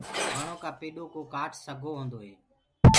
وڻو ڪآ پيڏو ڪو ڪآٽ سگھو هوندو هي۔